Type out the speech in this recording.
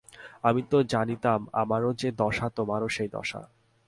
আমি তো জানিতাম আমারও যে দশা তোমারও সে দশা।